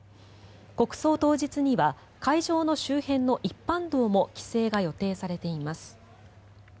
国葬当日には会場の周辺の一般道も規制が予定されています。